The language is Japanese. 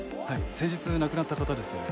先日亡くなった方ですよね。